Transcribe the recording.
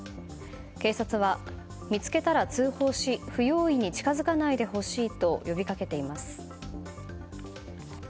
警察は、見つけたら通報し不用意に近づかないでほしいと呼び掛けています。